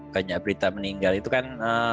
banyak berita meninggal itu kan